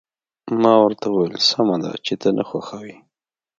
ما ورته وویل: سمه ده، چې ته نه خوښوې.